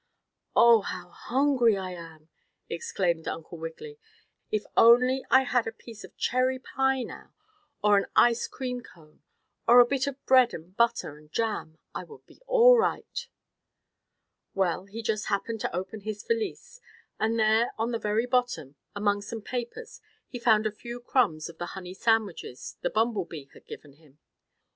"Oh, how hungry I am!" exclaimed Uncle Wiggily. "If only I had a piece of cherry pie now, or an ice cream cone, or a bit of bread and butter and jam I would be all right." Well, he just happened to open his valise, and there on the very bottom, among some papers he found a few crumbs of the honey sandwiches the bumble bee had given him.